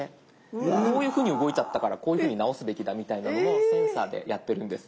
こういうふうに動いちゃったからこういうふうに直すべきだみたいなのもセンサーでやってるんです。